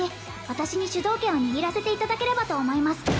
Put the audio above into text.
「私に主導権を握らせていただければと思います」